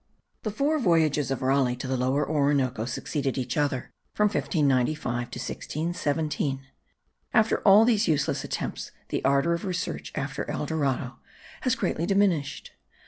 The four voyages of Raleigh to the Lower Orinoco succeeded each other from 1595 to 1617. After all these useless attempts the ardour of research after El Dorado has greatly diminished.